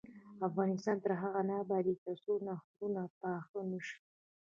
افغانستان تر هغو نه ابادیږي، ترڅو نهرونه پاخه نشي.